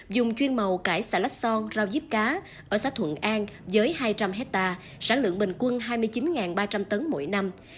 dùng chuyên màu cải xà lách son rau díp cá ở xã thuận an với hai trăm linh hectare sản lượng bình quân hai mươi chín ba trăm linh tấn mỗi năm